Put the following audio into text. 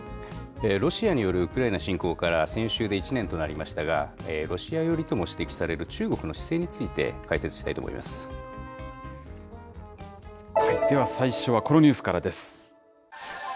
ロシアによるウクライナ侵攻から先週で１年となりましたが、ロシア寄りとも指摘される中国の姿勢について解説したいと思いまでは最初は、このニュースからです。